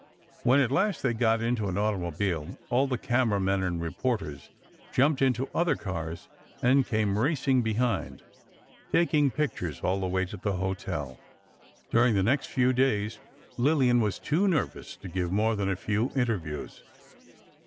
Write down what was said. When at last they got into an automobile, all the camera men and reporters jumped into other cars and came racing behind, taking pictures all the way to the hotel. During the next few days, Lillian was too nervous to give more than a few interviews.